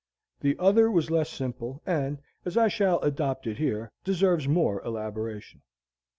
The other was less simple, and, as I shall adopt it here, deserves more elaboration.